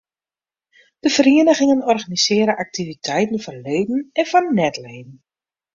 De ferieningen organisearje aktiviteiten foar leden en foar net-leden.